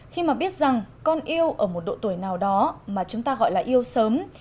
khi mà biết rằng con yêu ở một độ tuổi nào đó mà chúng ta gọi là yêu sớm